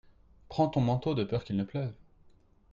Prends ton manteau de peur qu'il ne pleuve.